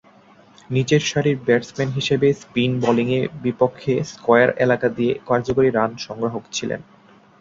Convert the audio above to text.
নিচেরসারির batsman হিসেবে spin বোলিংয়ের বিপক্ষে স্কয়ার এলাকা দিয়ে কার্যকরী রান সংগ্রাহক ছিলেন।